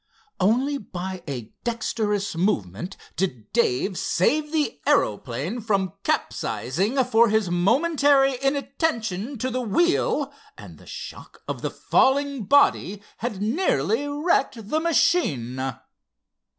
Only by a dexterous movement did Dave save the aeroplane from capsizing for his momentary inattention to the wheel and the shock of the falling body had nearly wrecked the machine.